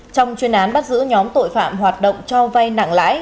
trong chuyên án bắt giữ nhóm tội phạm hoạt động cho vay nặng lãi